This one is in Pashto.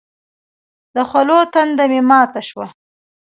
د خولو تنده مې ماته شوه.